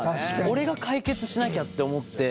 俺が解決しなきゃって思って。